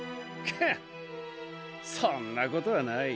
カッそんなことはない。